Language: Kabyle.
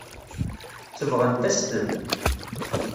Sebɣent-as-ten.